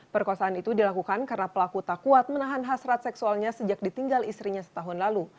perkosaan itu dilakukan karena pelaku tak kuat menahan hasrat seksualnya sejak ditinggal istrinya setahun lalu